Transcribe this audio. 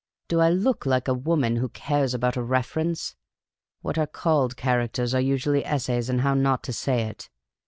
" Do I look like a woman who cares about a reference? What are called characters are usually essays in how not to say it.